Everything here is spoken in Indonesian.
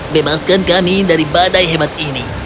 bebaskan kami dari badai hebat ini